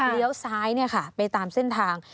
เลี้ยวซ้ายนี่ค่ะไปตามเส้นทาง